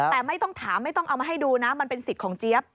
แต่ไม่ต้องถามไม่ต้องเอามาให้ดูนะมันเป็นสิทธิ์ของเจี๊ยบ